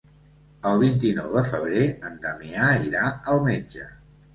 El vint-i-nou de febrer en Damià irà al metge.